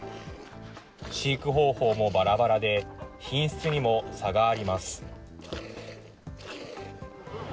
飼育方法もばらばらで、品質にも差があります。